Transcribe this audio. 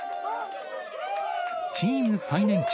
チーム最年長、